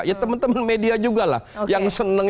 ya teman teman media juga lah yang senang